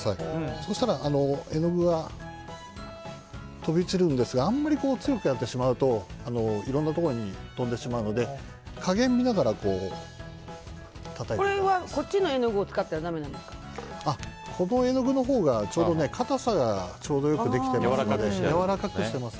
そうしたら絵の具が飛び散るんですがあんまり強くやってしまうといろんなところに飛んでしまうので加減を見ながらこれはこっちの絵の具をこの絵の具のほうがかたさがちょうどよくできてます。